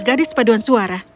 gadis paduan suara